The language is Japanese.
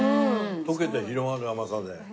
溶けて広がる甘さで。